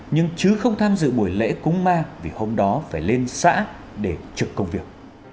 nhưng chứ không tham dự buổi lễ cúng ma vì hôm đó phải lên xã để trực công việc